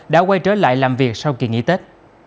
đã quay trở lại làm việc sau kỳ nghỉ tết